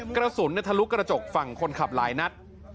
กระสุนทะลุกระจกฝั่งคนขับหลายนัด